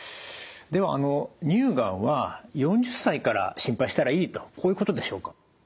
では乳がんは４０歳から心配したらいいとこういうことでしょうか？